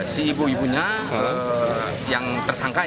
si ibu ibunya yang tersangka ya